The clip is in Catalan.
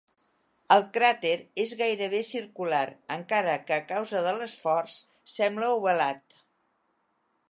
El cràter és gairebé circular, encara que a causa de l'escorç sembla ovalat.